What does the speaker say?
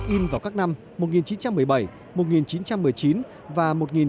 in vào các năm một nghìn chín trăm một mươi bảy một nghìn chín trăm một mươi chín và một nghìn chín trăm bảy mươi